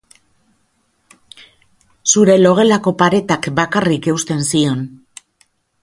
Zure logelako paretak bakarrik eusten zion.